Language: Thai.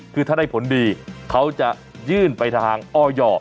คือถ้าได้ผลดีเขาจะยื่นไปทางออย